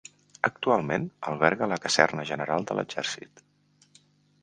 Actualment, alberga la Caserna General de l'Exèrcit.